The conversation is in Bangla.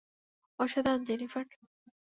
অসাধারণ, জেনিফার।